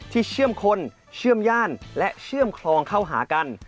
เชื่อมคนเชื่อมย่านและเชื่อมคลองเข้าหากัน